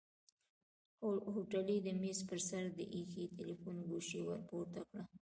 هوټلي د مېز پر سر د ايښي تليفون ګوشۍ ورپورته کړه.